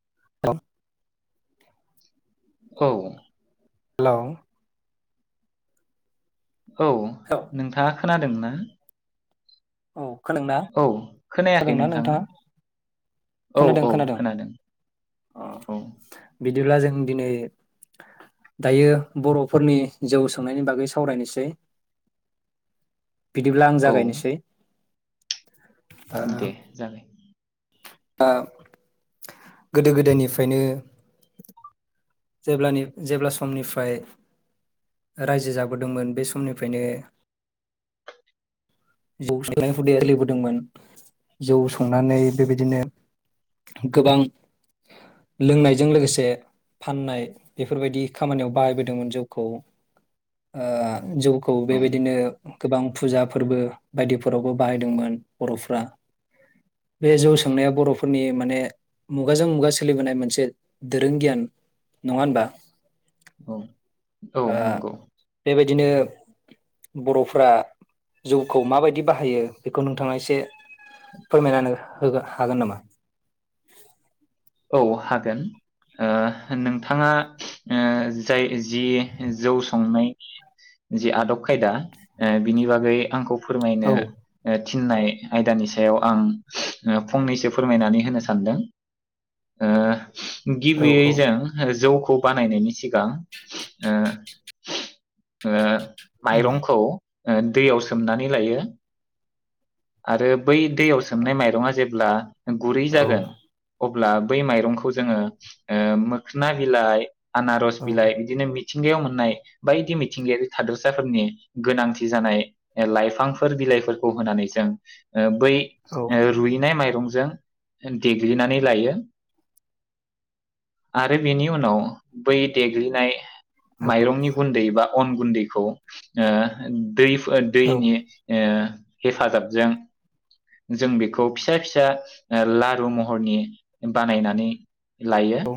[unintelligible] औ। हेलौ। औ नोंथाङा खोनादों ना? औ। खोनादों ना? खोनायाखै नोंथाङा? औ औ खोनादों औ। दिब्ला जों दिनै दायो बर'फोरनि जौ सोंनायनि बागै सावरायनोसै। बिदिब्ला आं औ जागायनोसै। दे जागाय। दा गोदो गोदायनिफ्रायनो जेब्लानि जेब्ला समनिफ्राय रायजो जाबोदोंमोन बे समनिफ्रायनो जौ संनाय हुदाया सोलिबोदोंमोन। जौ संनानै बेबायदिनो गोबां लोंनायजों लोगोसे फाननाय बेफोरबायदि खामानियाव बाहायबोदोंमोन जौखौ। ओ जौखौ औ बेबायदिनो गोबां फुजा फोरबो बायदिफोरावबो बाहायदोंमोन बर'फ्रा। बे जौ संनाया बर'फोरनि माने मुगाजों मुगा सोलिबोनाय मोनसे दोरों गियान नङा होनबा औ औ नंगौ दिनो बर'फोरा जौखौ माबायदि बाहायो बेखौ नोंथाङा एसे फोरमायना होनो हागोन नामा औ हागोन ओ नोंथाङा जाय जि जौ संनायनि जि आदब खायदा बिनि बागै आंखौ औ फोरमायनो थिनाय आयदानि सायाव आं फंनैसो फोरमायनानै होनो सानदों ओ औ गिबियै औ जों जौ खौ बानायनायनि सिगां ओ ओ उम माइरंखौ दैयाव सोमनानै लायो आरो बै दैयाव सोमनाय माइरङा जेब्ला गुरै औ जागोन अब्ला बै माइरंखौ जोंङो मोखोना बिलाइ आनारस औ बिलाइ बिदिनो मि थिंगायाव मोननाय बायदि मिथिंगायारि थादोरसाफोरनि गोनांथि जानाय लाइफांफोर बिलाइफोरखौ होनानै जों ओ बै औ रुइनाय माइरं जों देग्लिनानै लायो आरो बेनि उनाव बै देग्लिनाय माइरंनि गुन्दै बा अन गुन्दैखौ ओ औ दै-दैनि ओ हेफाजाबजों जों बेखौ फिसा-फिसा लारु महरनि बानायनानै लायो औ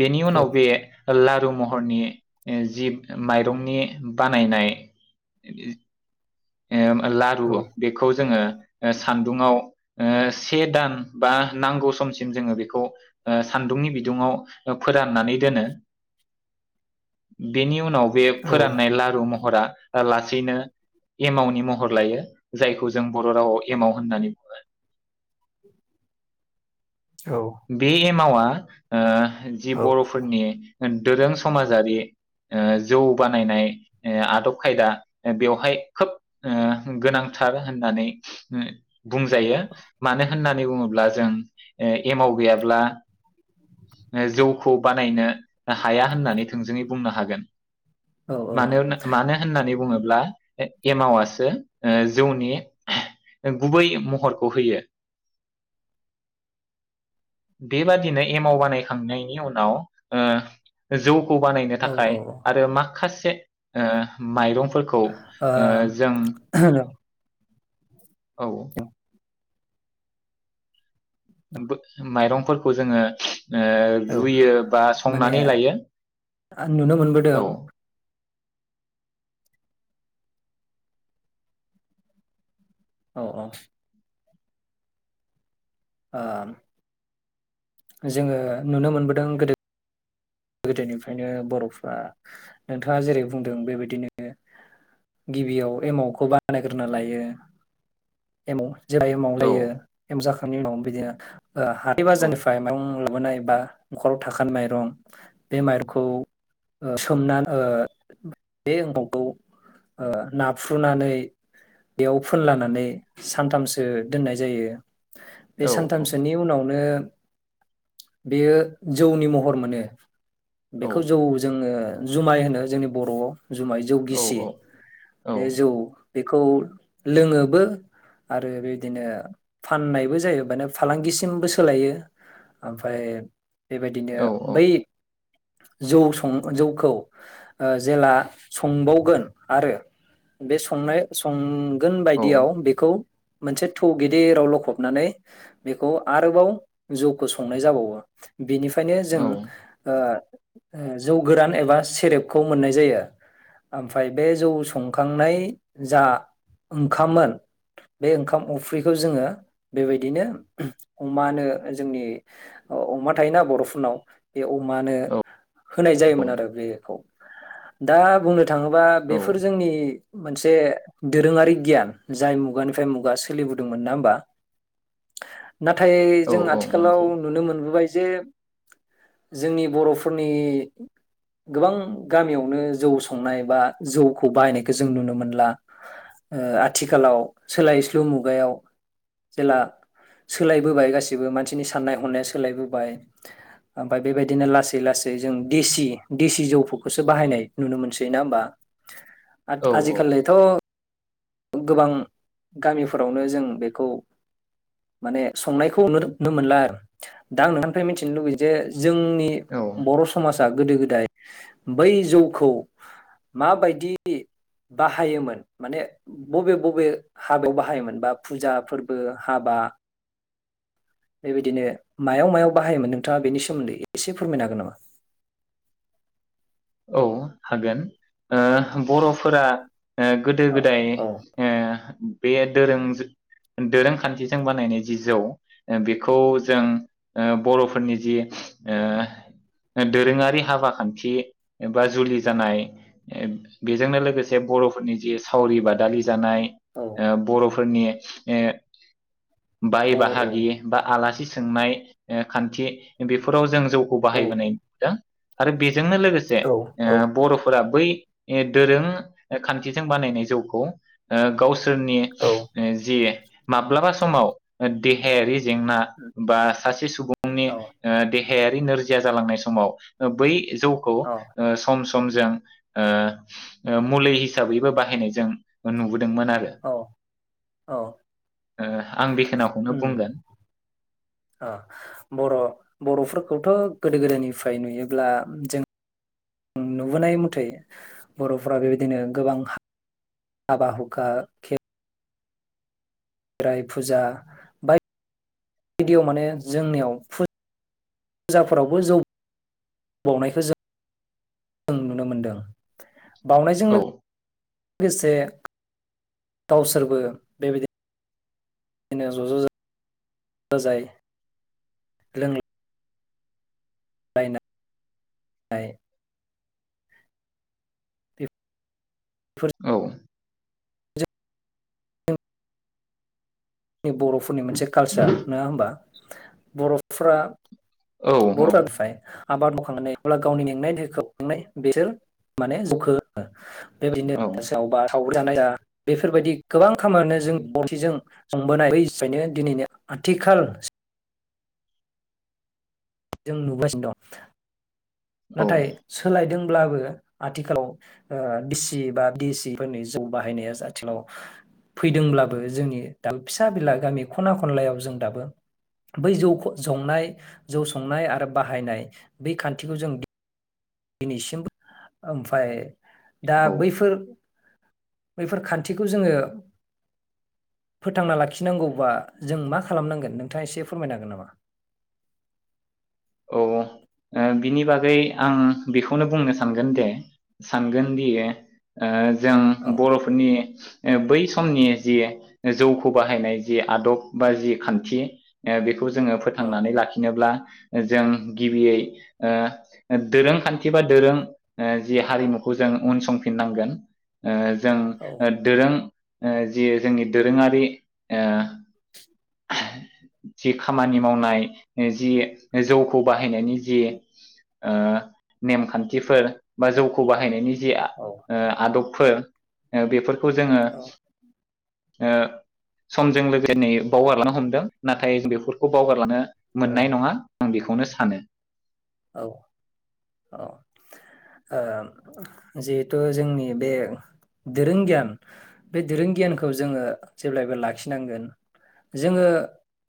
बेनि उनाव बे लारु महरनि जि माइरंनि बानायनाय ए लारु औ बेखौ जोंङो सान्दुङाव ओ से दान बा नांगौ समसिम जोंङो बेखौ ओ सान्दुंनि बिदुङाव फोराननानै दोनो बेनि उनाव बे फोराननाय लारु महरा लासैनो एमावनि महर लायो जायखौ जों बर' रावआव एमाव होननानै बुङो। औ बे एमावा ओ जि औ बर'फोरनि दोरों समाजारि जौ बानायनाय आदब खायदा बेवहाय खोब गोनांथार होननानै बुंजायो मानो होननानै बुङोब्ला जों एमाव गैयाब्ला जौखौ बानायनो हाया होननानै थोंजोङै बुंनो हागोन मानो होननानै बुङोब्ला एमावसो जौनि गुबै महरखौ होयो बेबादिनो एमाव बानायखांनायनि उनाव जौ खौ बानायनो थाखाय आरो माखा मासे म आ हेल' औ माइरं फोरखौ जोङो रुयो बा माने संनानै लायो आं नुनो मोनबोदों औ औ औ औ जोङो नुनो मोनबोदों गोदो गोदोनिफ्रायनो बर'फ्रा नोंथाङा जेरै बुंदों बेबायदिनो गिबियाव एमावखौ बानायग्रोना लायो एमाव जेाय औ एोमावलायो एमजाखो माव बिदि हाथाय औ बाजारनिफ्राय म लााबोनाय बा न'खराव थाखानाय माइरं बे माइरखौ सोमना बे एम्फौखौ नाफ्र्रुनानै बेयाव फोनलानानै सानथामसो दोननाय जायो बे औ सानथामसोनि उनावनो बेयो जौनि महर मोनो औ बेखौ जौ जोङो जुमाय होनो जोंनि बर'आव जुमाय जौ गिसि औ बे औ जौ बेखौ लोङोबो आरो बेदिनो फाननायबो जायो माने फालांगिसिमबो सोलायो ओमफ्राय बेबायदिनो औ बै जौ सं जौखौ अ जेला संबावगोन आरो बे संनाय सं- गोन बायदियाव बेखौ मोनसे थौ गेदिराव लखबनानै बेखौ आरोबाव जौखौ संनाय जाबावो बेनिफ्रायनो औ जों अ जौ गोरान एबा सेरेबखौ मोननाय जायो ओमफ्राय बे जौ संखांनाय जा ओंखाममोन बे ओंखाम अफ्रिखौ जोङो बेबायदिनो अमानो जोंनि अ-अमा थायोना बर'फोरनाव बे अमानो होनाय जायोमोन आरो बेखौ। दा बुंनो थाङोबा औ बेफोर जोंनि मोनसे दोरोङारि गियान जाय मुगानिफ्राय मुगा सोलिबोदोंमोन। नङा होमबा? नाथाय औ जों औ आथिखालाव नंगौ नुनो मोनबोबाय जे जोंनि बर'फोरनि गोबां गामियावनो जौ संनाय बा जौखौ बाहायनायखौ जों नुनो मोनला ओ आथिखालाव सोलायस्लु मुगायाव जेला सोलायबोबाय गासिबो मानसिनि साननाय हनाया सोलायबोबाय ओम- फ्राय बेबायदिनो लासै-लासै जों देसि-देसि जौफोरखौसो बाहायनाय नुनो मोनसै। ना होमबा? औ औ आथ-आजिखालिथ' गोबां गामिफोरावनो जों बेखौ माने संनायखौ नुनो मोनला आरो दा आं नोंथांनिफ्राय मिथिनो लुुबैयो जे जोंनि औ बर' समाजा गोदो गोदाय बै जौखौ माबायदि बाहायोमोन माने बबे बबे हाबायाव बाहायोमोन बा फुजा फोरबो, हाबा, बेबायदिनो मायाव -मायाव बाहायोमोन नोंथाङा बेनि सोमोन्दै एसे फोरमायनो हागोन नामा? औ हागोन ओ बर'फोरा ओ गोदो औ गोदाय औ ओ बे दोरों ज दोरोंखान्थिजों बानायनाय जि जौ ओ बेखौ जों ओ बर'फोरनि जि ओ दोरोङारि हाबा खान्थि एबा जुलि जानाय एब बेजोंनो लोगोसे बर'फोरनि जि सावरि बादालि जानाय औ ओ बर' फोरनि ए बाय औ औ बाहागि बा आलासि सोंनाय ओ खान्थि बेफोराव जों जौखौ औ बाहायबोनाय दों। आरो बेजोंनो लोगो- से औ ओ बर'फोरा बै ए दोरों ए खान्थिजों बानायनाय जौखौ ओ गाव सोरनि औ ओ जि माब्लाबा समाव देहायारि जेंना बा सासे सुबुंनि ओ देहायारि नोरजिया जालांनाय समाव बै जौ [unintelligible] औ समजों ओ मुलि हिसाबैबो बाहायनायजों नुबो दोंमोन आरो औ औ ओ आं बेखिनखौनो उम बुंगोन। ओ बर' बर'फोरखौथ' गोदो गोदायनिफ्राय नुयोब्ला जों नुबोनाय मथै बर'फोरा बेबायदिनो गोबां हा हाबा हुखा खे राइ फुजा बायायदियाव माने जोंनियाव फुजाफोरावबो जौ बावनायखौ जों जों नुनो मोनदों। बावउनायजों औ लोगो गोसे गावसोरबो बेबायदि बिदिनो ज' ज' जा जाय लों लायनाय बेफोर औ जोंनि बर'फोरनि मोनसे कालसार नङा होमबा? बर'फ्रा औ [unintelligible] आबाद मावखांनाय अब्ला गावनि मेंनाय [unintelligible] बेबायदिनो औ [unintelligible] [unintelligible] बेफोरबायदि गोबां दिनैनि आथिखाल जों नुगासिनो दं। औ नाथाय सोलायदों ब्लाबो आथिखालाव [unintelligible] फोरनि जौ बाहायनाया आथिखालाव फैदोंब्लाबो जोंनि दा फिसा बिला गामि खना खनलायाव जों दाबो बै जौ संनाय जौ संनाय आरो बाहायनाय बै खान्थि खौ जों दिनैसिमबो ओमफाय दा औ बैफोर बैफोर खान्थिखौ जोङो फोथांना लाखिनांगौबा जों मा खालामनांगोन नोंथाङा एसे फोरमायनो हागोन नामा? बै आं बेखौनो बुंनो सानगोन दे सानगोनदि ओ जों औ बर'फोरनि बै समनि जि जौखौ बाहायनाय जि आदब बा जि खान्थि ओ बेखौ जोङो औ फोथांनानै लाखिनोब्ला जों गिबियै ओ दोरोंखान्थि बा दोरों ओ जि हारिमुखौ जों उनसंफिननांगोन ओ जों औ दोरों ओ जि जोंनि दोरोङारि ओ [inaudible] जि खामानि मावनाय जि जौखौ बाहायनायनि जि ओ नेमखान्थिफोर बा जौखौ बाहायनायनि जि औ ओ आदबफोर ओ बेफोर खौ जोङो ओ समजों [unintelligible] बावगारलांनो हमदों नाथाय बेफोरखौ बावगारलांनो औ मोननाय नङा। बेखौनो सानो। औ औ ओ जिहेथु जोंनि बे दोरों गियान बे दोरों गियानखौ जोङो जेब्लायबो लाखिनांगोन जोङो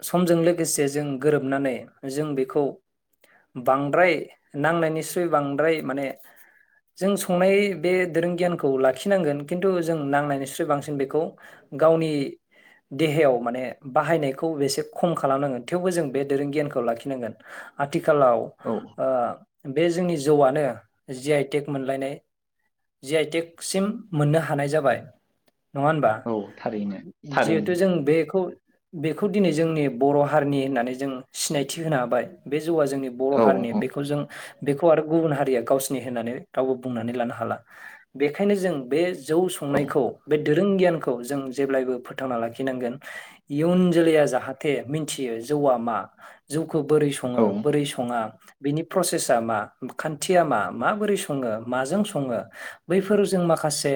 समजों लोगोसे जों गोरोबनानै जों बेखौ बांद्राय नांनायनिस्रुइ बांद्राय माने जों संनाय बे दोरों गियानखौ लाखिनांगोन खिन्थु जों नांनायनिस्रुइ बांसिन बेखौ गावनि देहायाव माने बाहायनायखौ एसे खम खालामनांगोन थेवबो जों बे दोरों गियानखौ लाखिनांगोन। आथिखालाव औ आ बे जोंनि जौआनो जि आइ टेक मोनलायनाय जि आइ टेक सिम मोननो हानाय जाबाय। नङा होनबा? औ थारैनो थारैनो जिहेथु जों बेखौ बेखौ दिनै जोंनि बर' हारिनि होननानै जों सिनायथि होनो हाबाय बे जौआ जों बर' औ हारिनि औ बेखौ जों बेखौ आरो गुबुन हारिया गावसिनि होननानै रावबो बुंनानै लानो हाला बेखायनो जों बे जौ औ संनायखौ बे दोरों गियानखौ जों जेब्लायबो फोथांना लाखिनांगोन इयुन जोलैया जाहाथे मिथियो जौआ मा जौ बोरै औ सङो बोरै स बिनि प्रसेसा मा खान्थिया मा माबोरै सङो माजों सङो बैफोर जों माखासे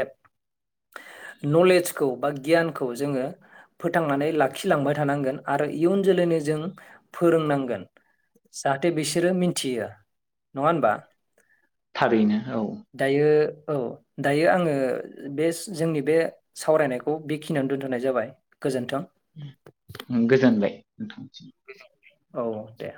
नलेजखौ बा गियानखौ जोङो फोथांनानै लाखिलांबाय थानांगोन आरो इयुन जोलैनो जों फोरोंनांगोन। जाहाथे बिसोरो मिथियो नङा होनबा? थारैनो औ दायो औ दायो आङो बे जोंनि बे सावरायनायखौ बेखिनियावनो दोन्थ'नाय जाबाय गोजोन्थों। गोजोनलाय गोथांसै औ दे